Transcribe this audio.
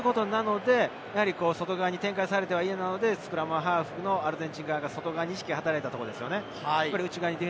外側に展開されると嫌なので、スクラムハーフのアルゼンチン側が、外側に意識が働いたところです。